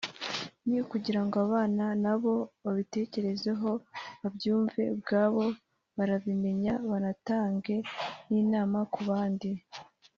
ni ukugira ngo abana na bo babitekerezeho babyumve; ubwabo barabimenya banatange n’inama ku bandi